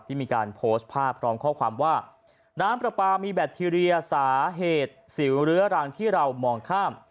มีการโพสต์ภาพพร้อมข้อความว่าน้ำปลาปลามีแบคทีเรียสาเหตุสิวเรื้อรังที่เรามองข้าม